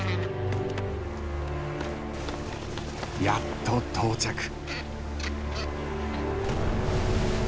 やっと到着。